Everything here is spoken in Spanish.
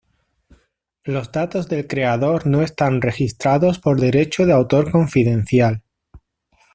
Los datos del creador no están registrados por derecho de autor confidencial.